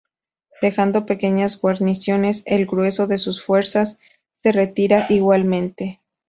Dejando pequeñas guarniciones, el grueso de sus fuerzas se retira igualmente.